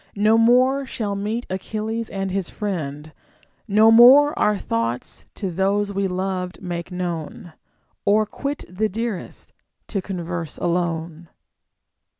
iGD No more sliall meet Achilles and his iriend ; No more our thoughts to those we loved make known, Or quit the dearest, to converse alone.